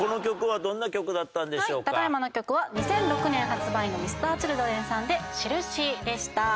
はいただ今の曲は２００６年発売のＭｒ．Ｃｈｉｌｄｒｅｎさんで『しるし』でした。